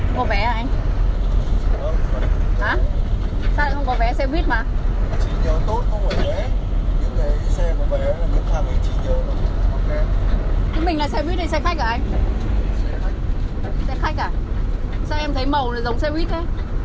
xe khách à anh xe khách à sao em thấy màu giống xe bít thế